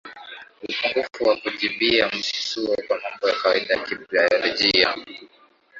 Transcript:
upungufu wa kujibia msisimuo kwa mambo ya kawaida ya kibiolojia